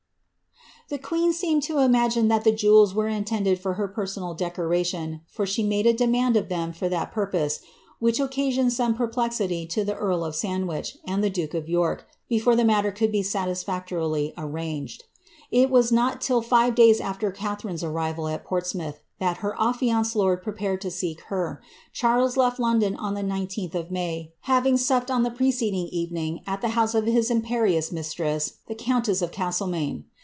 a seemed to imagine that the jewels were intended for her roration, for she made a demand of them for that purpose, ioned some perplexity to the earl of Sandwich and the duke ore the matter could be satisfactorily arranged, t till five days after Catharine's arrival at Portsmouth that i lord prepared to seek her. Charles lef^ London on the r, having supped on the preceding evening at the house of js mistress, the countess of Castlcmaine.